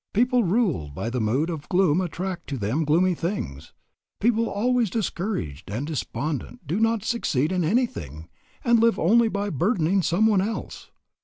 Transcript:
People ruled by the mood of gloom attract to them gloomy things. People always discouraged and despondent do not succeed in anything, and live only by burdening some one else.